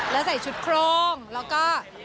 แล้วใส่ชุดโครงแล้วก็